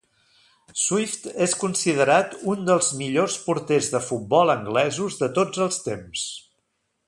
Swift és considerat un dels millors porters de futbol anglesos de tots els temps.